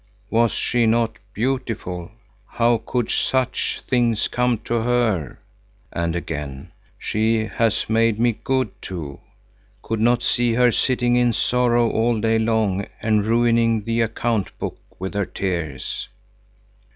Was she not beautiful? How could such things come to her?" And again: "She has made me good too. Could not see her sitting in sorrow all day long and ruining the account book with her tears."